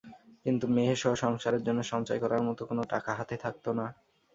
কিন্তু মেয়েসহ সংসারের জন্য সঞ্চয় করার মতো কোনো টাকা হাতে থাকত না।